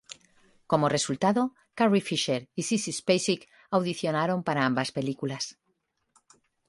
Como resultado, Carrie Fisher y Sissy Spacek audicionaron para ambas películas.